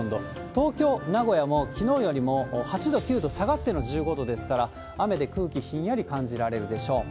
東京、名古屋もきのうよりも８度、９度下がっての１５度ですから、雨で空気ひんやり感じられるでしょう。